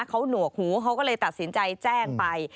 เขาหนวกหูเขาก็เลยตัดสินใจแจ้งไป